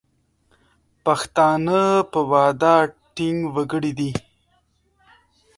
پښتانه په وعده ټینګ وګړي دي.